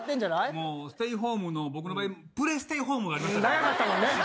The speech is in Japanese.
もうステイホームの僕の場合、プレステイホームありましたからね。